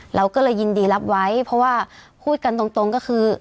เราก็เลยยินดีรับไว้เพราะว่าพูดกันตรงก็คือ